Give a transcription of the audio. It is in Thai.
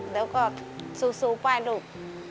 แล้วก็สู้ไปลูก